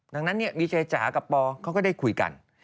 ดังนั้นนะคะวิจ็ะกับพอเขาก็ได้คุยกัน